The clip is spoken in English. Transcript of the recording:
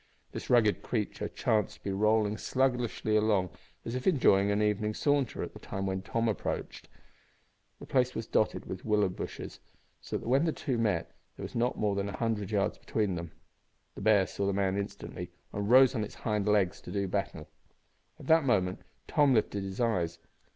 This rugged creature chanced to be rolling sluggishly along as if enjoying an evening saunter at the time when Tom approached. The place was dotted with willow bushes, so that when the two met there was not more than a hundred yards between them. The bear saw the man instantly, and rose on its hind legs to do battle. At that moment Tom lifted his eyes.